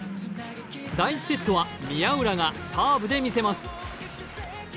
第１セットは宮浦がサーブで見せます。